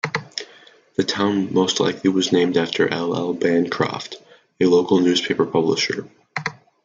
The town most likely was named after L. L. Bancroft, a local newspaper publisher.